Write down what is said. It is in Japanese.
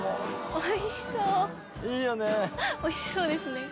おいしそうですね。